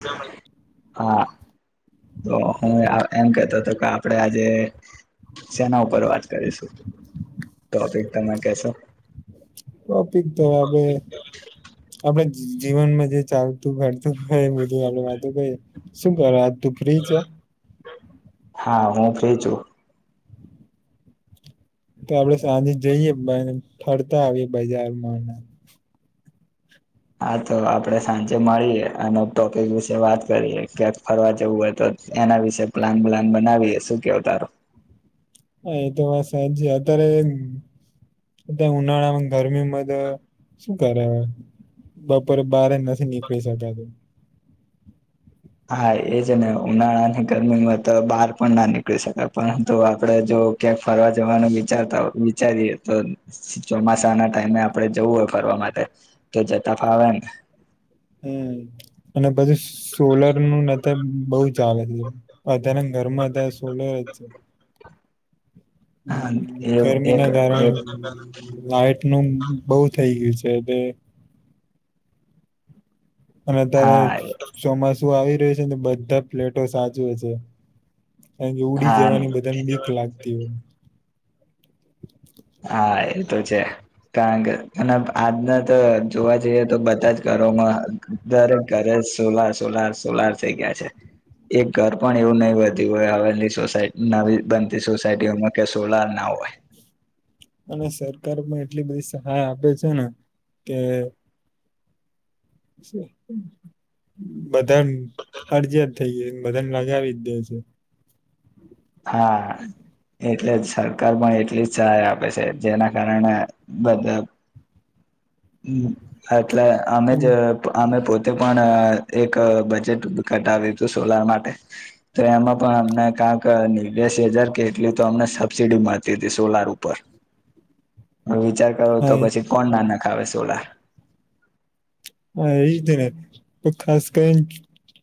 [unintelligible] હા તો હું એમ કેતો હતો કે, આપણેે આજે સેના ઉપર વાત કરીશું, ટોપિક તમે કેશો? ટોપિક તો આપડે આપણે જીવનમાં જે ચાલતું ફરતું હોઈ [unintelligible] બધું વા વાતું ભાઈ શું કરો આજ તો ફ્રી છો? હા હું ફ્રી છું. તો આપડે સાંજે જઈએ બાર ફરતા આવીએ બજારમાંને હા તો આપડે સાંજે મળીએ. અને ટોપિક વિશે વાત કરીએ. ક્યાંક ફરવા જવું હોય તો એના વિશે પ્લાન બ્લાન બનાવીએ. શું કેવુ તારો? હા એ તો વાત સાચી. અત્યારે અત ઉનાળામાં ગરમીમાં તો શું કરે બપોરે બહાર એ નથી નીકળી શકાતું. હા એ છે ને ઉનાળાની ગરમીમાં તો બહાર પણ ના નીકળી શકાય. પરંતુ આપડે જો ક્યાંક ફરવા જવાનું વિચારતા હો વિચારીએ તો સ ચોમાસાના ટાઈમે આપણે જવું હોય ફરવા માટે તો જતા ફાવે ને. હમ્મ અને બધું સોલર નું ન તો બઉુ જ ચા [unintelligible] તના ઘરમાં હતા સોલર જ છે. હા, હમ્મ એ ગરમી એક ના એક કારણે લાઈટ બહુ થઈ ગયું છે બે અને અત્યારે હા ચ ચોમાસું આવી તે છેને બધા પ્લેટો સાજું હ છું. કારણ ઉડી હા જવાની બધાને બીક લાગતી હોય. હા એ તો છે. કારણ કે અને આજના તો જોવા જઈએ તો બધા જ ઘરોમાં દરેક ઘરે સોલાર સોલાર સોલાર થઈ ગયા છે. એક ઘર પણ એવું નહી વધ્યું હોય આવેલી સોસાયટ નવી બનતી સોસાયટીઓમાં કે સોલાર ના હોય. અને સરકાર પણ એટલી બધી સહાય આપે છે ને કે બધા ને ફરજીિયાત થઈ જાય બધાને લગાવી જ દે છે. હા એ એટલે સરકાર પણ એટલી સહાય આપે છે. જેના કારણે બધા હમ્મ એટલે અમે જ અમે પો તે પણ એક બજેટ ઘટાવ્યું હતું સોલાર માટે. તો એમાં પણ અમને કામ કાની દસ હજાર કે એટલી તો અમને સબસીડી મળતી હતી સોલાર ઉપર. વિચાર કરો તો હા પછી કોણ ના ન કાવે સોલાર એ જ ને તો ખાસ કરીને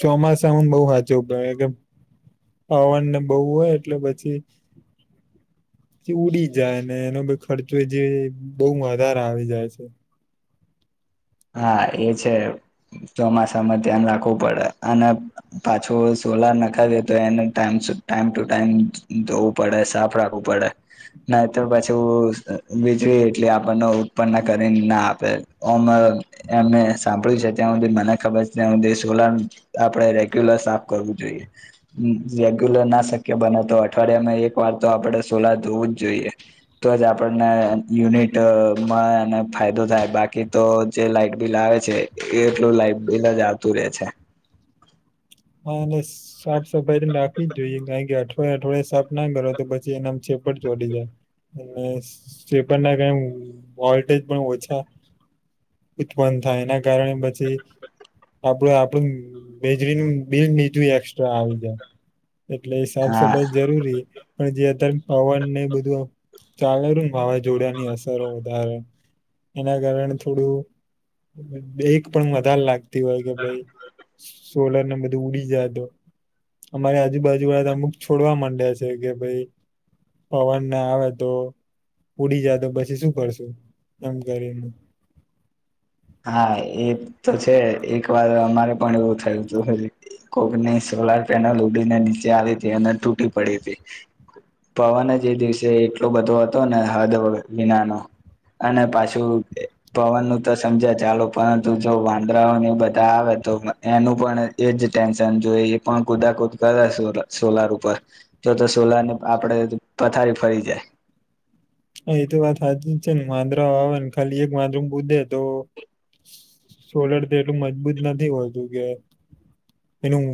ચોમાસા મા બહુ હાચવવું પડે. કે પવનને બહુ હોય એટલે પછી એ ઉડી જાય. ને એનો ભ ખર્ચો એ જે બહુ વધારે આવી જાય છે. હા એ છે. ચોમાસામાં ધ્યાન રાખવું પડે. અને પાછું સોલાર નાખાવિયે તો એને ટ ટાઈમ ટુ ટાઈમ ધોવું પડે, સાફ રાખવું પડે. ન તો પાછું અ વીજવી એટલી આપણને ઉત્પન્ન કરીને ના આપે. ઓમ એમે સાંભળ્યું છે ત્યાં સુધી, મને ખબર છે ત્યાં સુધી, સોલાર આપણે રેગ્યુલર સાફ કરવું જોઈએ. હુ રેગ્યુલર ના શક્ય બને તો અઠવાડિયામાં એક વાર તો આપણે સોલાર ધોવું જ જોઈએ. તો જ આપણને યુનિટમાંને ફાયદો થાય. બાકી તો જે લાઈટ બિલ આવે છે. એ એટલું લાાઈટ બિલ જ આવતું રે છે. હા બસ સાફ સફાઈને રાખવી જ જોઈએ. કારણ કે અઠવાડે અઠવાડયે સાફ ના કરો તો પછી એના ચેપર ચોડી જાય. અને ચેપર ના કારણ વોલ્ટેજ પણ ઓછા ઉત્પન્ન થાય. એના કારણે પછી આપડું આપણું વીજળીનું બિલ નીધું એક્સ્ટ્રા આવી જાય. એટલે સાફ હા સફાઈ જરૂરી. પણ જેતર પવન ને બધું ચાલેને વાવાઝોડા ની અસરો વધારે એના કારણે થોડું બે એક પણ વધારે લાગતી તીહોય કે ભાઈ સોલર ને બધું ઉડી જાય તો અમારી આજુબાજુ વાળા તો અમુક છોડવા માંડ્યા છે, કે ભાઈ પવન ના આવે તો ઉડી જ તો પછી શું કરશું એમ કરીને હા એ તો છે એક વાર અમારે પણ એવું થયું હતું કોકની સોલાર પેનલ ઉડીને નીચે આવી હતી, અને તૂટી પડી હતી પવન જ એ દિવસે એટલો બધો હતો ને હદ વિનાનો અને પાછું પવનનું સમજાય ચાલો પરંતુ જો વાંદરાઓને એ બધા આવે તો એનું પણ એજ ટેન્શન જોય એ પણ કુદાકુદ કરે સોલાર ઉપર જો તો સોલાર ને આપડે પથારી ફરી જાય હા એ તો વાત સાચી જ છે, ને વાંદરા આવે ને ખાલી એક વાંધરમ કૂદે તો સોલર તો એટલું મજબૂત નથી હોતું કે એનું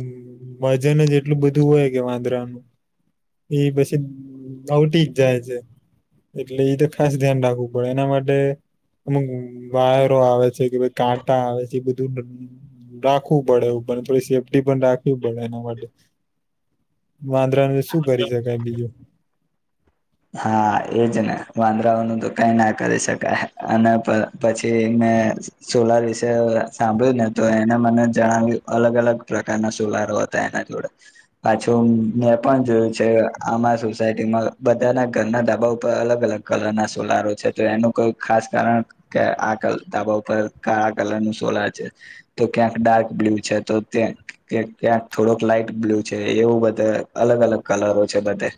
વજન જ એટલું બધું હોય કે વાંદરાનું એ પછી આવટી જ જાય છે એટલે એ તો ખાસ ધ્યાન રાખવું પડે એના માટે અમુક વાયરો આવે છે, કે ભ કાંટા આવે છે, એ બધું રાખવું પડે એ થોડી સેફ્ટી પણ રાખવી પડે એના માટે વાંદરાનું શું કરી શકાય બીજું હા એજ ને વાંદરાઓનું તો કઈ ના કરી શકાય અને પછી મેં સોલાર વિશે સાંભળ્યું ને તો એને મને જણાવ્યું અલગ અલગ પ્રકારના સોલારો હતા એના જોડે પાછું મેં પણ જોયું છે આમાં સોસાયટીમાં બધાના ઘરના ધાબા ઉપર અલગ અલગ કલર ના સોલારો છે તો એનું કોઈ ખાસ કારણ કે આ ધાબા ઉપર ક કલર નું સોલાર છે તો ક્યાંક ડાર્ક બ્લૂ છે તો ક્યાંક થોડોક લાાઈટ બ્લુ છે એવું બધે અલગ અલગ કલરો છે બધે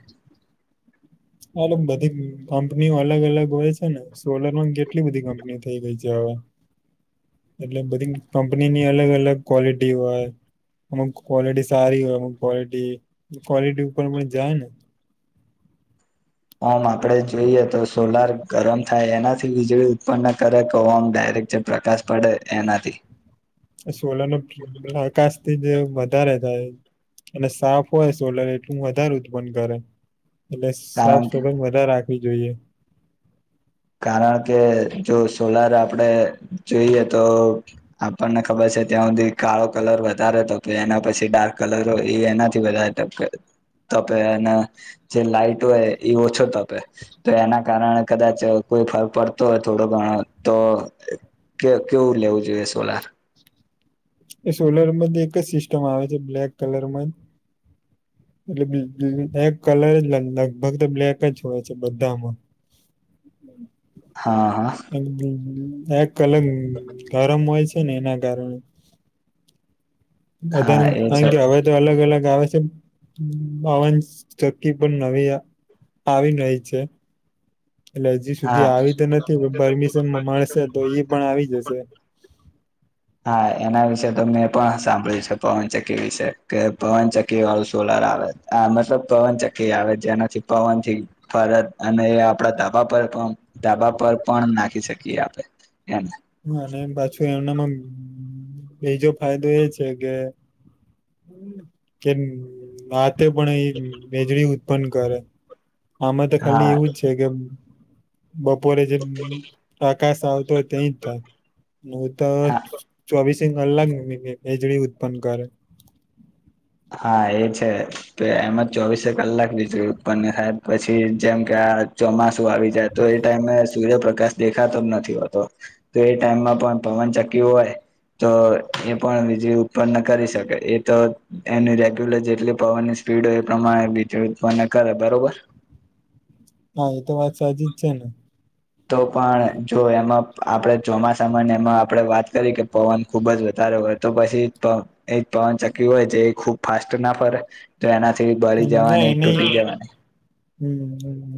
એલે બધી કંપનીઓ અલગ અલગ હોય છે, ને સોલરમાં કેટલી બધી કંપની થઇ ગઈ છે હવે એટલે બધી કંપનીની અલગ અલગ ક્વોલિટી હોય અમુક ક્વોલિટી સારી હોય, અમુક કો્ોલિટી ક્લિટી ઉપર પણ જાય ને ઓમ આપણે જોઈએ તો સોલાર ગરમ થાય એનાથી વીજળી ઉત્પન્ન કરે તો ઓમ ડાયરેક્ટ જે પ્રકાશ પડે એનાથી સોલર ન આકાશથી જ વધારે થાય અને સાફ હોય સોલર એટલું વધારે ઉત્પન્ન કરે, એટલે સાફ કારણ સભાઈ વધા રાખે હો જોઈએ કારણ કે જો સોલાર આપણેે જોઈએ તો આપણને ખબર છે, ત્યાં સુધી કાળો કલર વધારે તપે એના પછી ડાર્ક કલર હોય એ એનાથી વધારે તપે તપે અને જે લાાઈટ હોય એ ઓછો તપે તો એના કારણે કદાચ કોઈ ફર પડતો હોય થોડો ઘણો તો કેવું લેવું જોઈએ સોલાર એ સોલરમાં એક જ સિસ્ટમ આવે છે, બ્લેક કલરમાં જ એટલે એક કલર જ લગભગ તો બ્લેક જ હોય છે બધામાં હા હા હમ્મ એક અલગ ગરમ હોય છે ને એના કારણે હા બધા એ અ છે કે હવે તો અલગ અલગ છે બાવન ટકી પણ નવી આવી રહી છે, એટલે હજી હા સુધી આવી તો નથી પરમિશન માં મળશે તો એ પણ આવી જશે હા એના વિશે તો મેં પણ સાંભળ્યું છે પવનચક્કી વિશે કે પવનચકી વાળું સોલર આવે આ મતલબ પવનચકી આવે જેનાથી પવન થી પરત અને એ આપડા ધાબા પર ધાબા પર પણ નાખી શકીએ આપે એને અને પાછું એમનામાં બીજો ફાયદો એ છે કે કે પણ મેજળ પન કરે આમાં તો હા ખાલી એવું જ છે, કે બપોરે જેમ પ્રકાશ આવતો હોય તેં જ નું તો હા ચોવીશ સિઘ અલગ મી બેજળી ઉત્પન્ન કરે હા એ છે તો એમાં ચોવીસે કલાક વીજળી ઉત્પન્ન થાય પછી જેમ કે આ ચોમાસું આવી જાય તો એ ટાઈમે સૂર્યપ્રકાશ દેખાતો જ નથી હોતો તો એ ટાઈમમાં પણ પવન ચક્યું હોય તો એ પણ વીજળી ઉત્પન્ન કરી શકે એ તો એની રેગ્યુલર જેટલી પવનની સ્પીડ હોય એ પ્રમાણે બીજ કરે બરોબર હા એ તો વાંચતા ની છે ને તો પણ જો એમાં આપણે જોમાસામા એમાં આપણેે વાત કરી કે પવન ખુબ જ વધારે હોય તો પછી એ પવન ચકી હોય જે ખુબ ફાસ્ટ ના ફરે તો એનાથી બળી હમ્મ ના એ જવાની ન તૂટી જવાની હમ્મ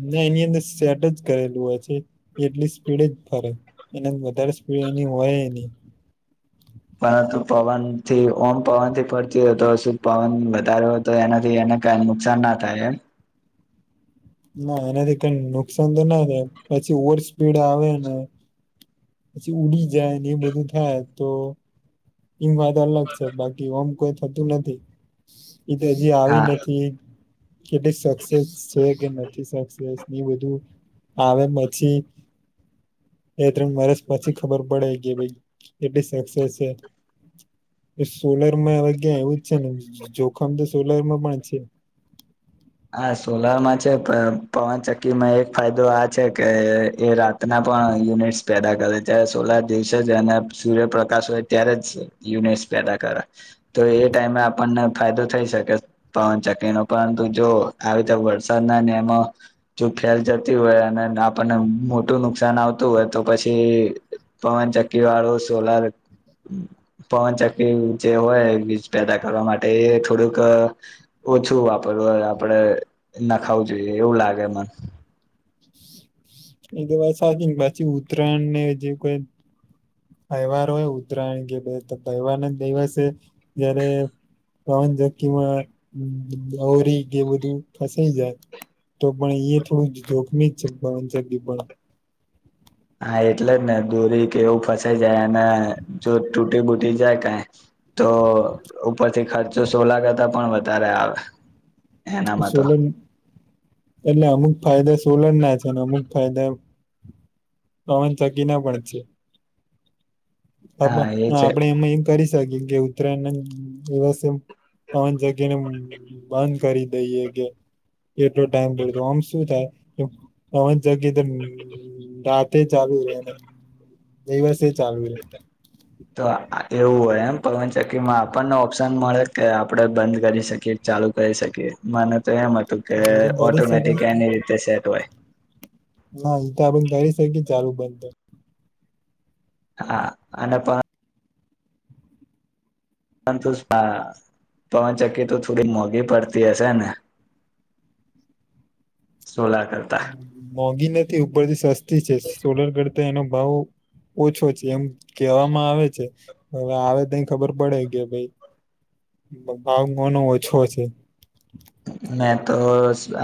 ના એની અંદર સેટ જ કરેલું હોય છે એટલી સ્પીડ જ ફરે એના વધારે સ્પીડ એની હોય નહી, પરંતુ પવનથી ઓમ પવનથી ફરતી હોય તો શું પવન વધારે્યો તો એનાથી એને કઈ નુકસાન ના થાય એમ ના એનાથી કઈ નુકસાન તો ના થાય પછી ઓવર સ્પીડ આવેને પછી ઉડી જાયને એ બધું થાય તો એમ વાત અલગ છે બાકી ઓમ કોઈ થતું નથી એ તો હજી આવી હા નથી કેટલીક સક્સેસ છે બધું આવે પછી એ ત્રણ વર્ષ પછી ખબર પડે કે ભાઈ કેટલી સક્સેસ છે સોલર માંગ્યા આવું જ છે ને જોખમ તો સોલારમાં પણ છે હા સોલારમાં છે પ પવનચક્કીમાં એક ફાયદો આ છે કે એ રાતના પણ યુનિટ્સ પેદા કરે જ્યારે સોલાર દિવસે જ અને સૂર્યપ્રકાશ હોય ત્યારે જ યુનિટ્સ પેદા કરે તો એ ટાઈમે આપણને ફાયદો થઈ શકે પવનચક્કીનો પરંતુ જો આવી રીતે વરસાદ ના નિયમો જો ફેલ જતી હોય અને આપણને મોટું નુકસાન આવતું હોય તો પછી પવનચકી વાળું સોલાર પવનચકી જે હોય વીજ પેદા કરવા માટે એ થોડુંક ઓછું વાપરવું હોય આપડે નખાવું જોઈએ એવું લાગે મન એ તો વાત સાચી ને બાછી ઉત્તરાયણ ને જે કોઈ તહેવાર હોય ઉત્તરાયણ કે ભ તહેવાર ના દિવસે જયારે પવન જગ ક ગરી કે બધું ફસાઈ જાય તો પણ એ થોડું જોખમી જ છે પવનચકી [unintelligible] હા એટલે જ ને દોરી કે એવું ફસાઈ જાય અને જો તૂટી બૂટી જાય કઈ તો ઉપરથી ખર્ચો સોલા કરતા પણ વધારે આવે એનામાં તો સોલર એટલે અમુક ફાયદા સોલર ના છે ને અમુક ફાયદા પવનચકી ના પણ છે હ હા એ છે આપડે એમાં એમ કરી શકીએ કે ઉત્તરાયણ દિવસે પાંચ જગ્યા ને બંધ કરી દઈએ કે એટલો ટાઈમ પડ્યો આમ શું થાય પવન [unintelligible] રાતે ચાલુ રહેને દિવસે ચાલવે તો એવું હોય એમ પવનચક્કીમાં આપણને ઓપ્શન મળે કે આપડે બંધ કરી શકીએ ચાલુ કરી શકીએ મને તો એમ હતું કે એ તો કરી શકાય ઓટોમેટિક એની રીતે સેટ હોય હ એ તો આપડે કરી શકીએ ચાલું બંધ હા અને પણ પરંતુ આ પવનચક્કી તો થોડી મોંઘી પડતી હશેને સોલાર કરતા ગિ નથી ઉપરથી સસ્તી છે સોલર કરતા તો એનો ભાવ ઓછો છે એમ કહેવામાં આવે છે હવે આવે ત ખબર પડે કે ભાઈ ભાવ કોનો ઓછો છે મેં તો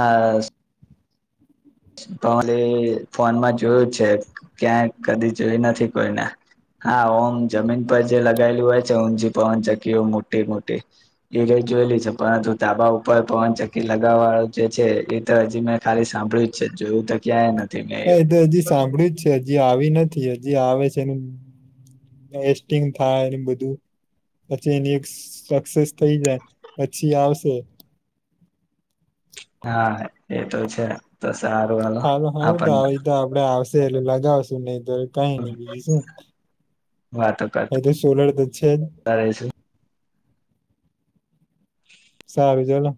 આ પવન એ ફોનમાં જોયું છે ક્યાંય કદી જોય નથી કોઈને હા ઓમ જમીન પર જે લગાયેલું હોય છે ઊંચી પવનચક્કીઓ મોટી મોટી એ રઈ જોયેલી છે પરંતુ ધાબા ઉપર પવનચકી લગાવવાળ જે છે એ તો હજી મેં ખાલી સાંભળ્યું છે જોયું તો ક્યાંય નથી મેં હા એ એવું તો હજી સાંભળ્યું જ છે અજી આવી નથી હજી આવે છે એસ્ટિ થાય એ બધું પછી એની એક સક્સેસ થઈ જાય પછી આવશે હા એ તો છે સારું હાલો હાલો તો આપણને આવી તો આપડે આવશે ટલે લગાવશું નહી તો કઈ નહી બીજું શું વાતો એ કરતા તો સોલર દ છે રહીશું સારુ છેલો